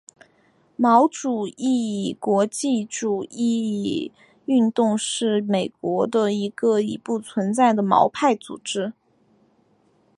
毛主义国际主义运动是美国的一个已不存在的毛派组织。